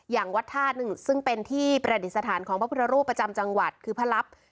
อย่างวัดธาตุหนึ่งซึ่งเป็นที่ประดิษฐานของพระพุทธรูปประจำจังหวัดคือพระลับ